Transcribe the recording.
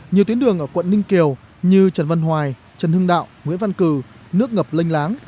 nhiều tuyến đường ở quận ninh kiều như trần văn hoài trần hưng đạo nguyễn văn cử nước ngập linh láng